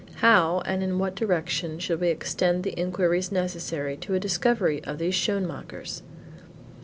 How, and in what direction should we extend the inquiries necessary to a discovery of these Schoenmakers?